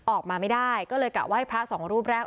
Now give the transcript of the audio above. ออกมาไม่ได้ก็เลยกะไหว้พระสองรูปแรก